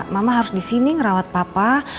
mama harus di sini ngerawat papa